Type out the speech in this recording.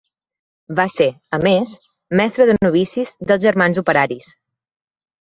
Va ser, a més, mestre de novicis dels germans operaris.